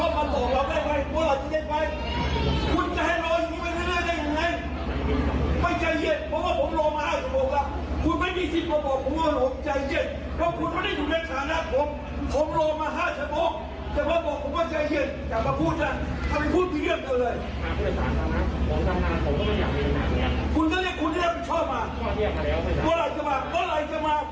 โปรดติดตามตอนต่อไป